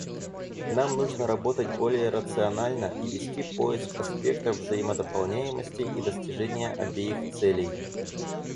Нам нужно работать более рационально и вести поиск аспектов взаимодополняемости и достижения обеих целей.